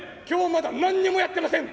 まだ何にもやってません！